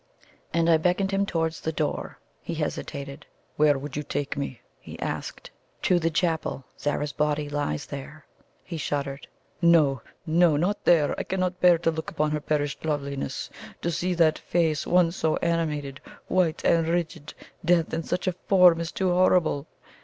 And I beckoned him towards the door. He hesitated. "Where would you take me?" he asked. "To the chapel. Zara's body lies there." He shuddered. "No, no not there! I cannot bear to look upon her perished loveliness to see that face, once so animated, white and rigid death in such a form is too horrible!"